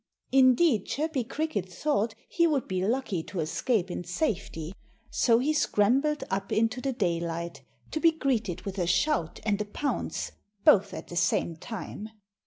Indeed Chirpy Cricket thought he would be lucky to escape in safety. So he scrambled up into the daylight, to be greeted with a shout and a pounce, both at the same time.